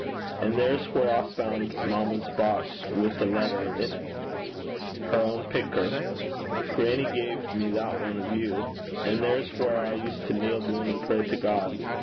An' there's whaur I fand mamma's box wi' the letter in 't and her ain picter: grannie gae me that ane o' you. An' there's whaur I used to kneel doon an' pray to God.